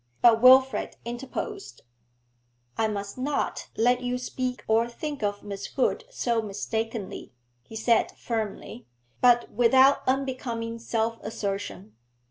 But Wilfrid interposed. 'I must not let you speak or think of Miss Hood so mistakenly,' he said firmly, but without unbecoming self assertion.